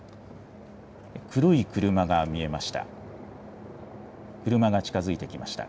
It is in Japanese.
黒い車が見えました。